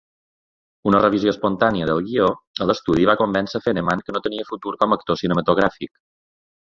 Una revisió espontània del guio a l'estudi va convèncer Fenneman que no tenia futur com a actor cinematogràfic.